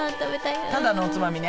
タダのおつまみね。